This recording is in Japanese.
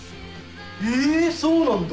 へえそうなんだ！